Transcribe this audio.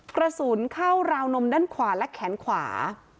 กระสุนเข้าราวนมด้านขวาและแขนขวา